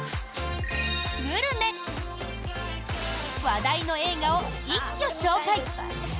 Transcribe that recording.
グルメ、話題の映画を一挙紹介。